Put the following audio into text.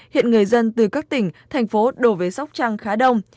hiện người dân từ các tỉnh thành phố đổ về sóc trăng khá đông